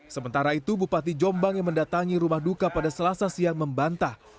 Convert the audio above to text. sementara itu bupati jombang yang mendatangi rumah duka pada selasa siang membantah